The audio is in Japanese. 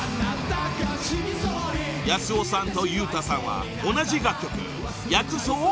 ［康雄さんとＵ太さんは同じ楽曲］